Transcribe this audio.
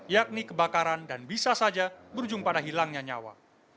yakni kebakaran dan bisa saja berujung pada hilangnya nyawa